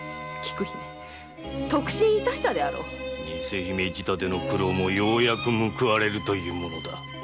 偽姫仕立ての苦労もようやく報われるというものだ。